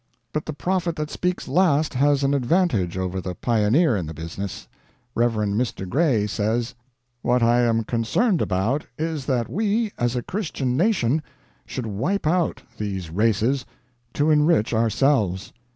But the prophet that speaks last has an advantage over the pioneer in the business. Rev. Mr. Gray says: "What I am concerned about is that we as a Christian nation should wipe out these races to enrich ourselves."